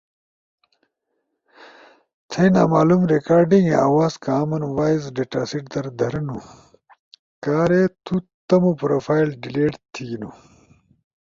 تھئی نامعلوم ریکارڈنگ آواز کامن وائس ڈیٹاسیٹ در دھرنو، کارے تو تمو پروفائل ڈیلیٹ تھیگینو